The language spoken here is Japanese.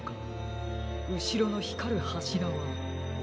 うしろのひかるはしらは。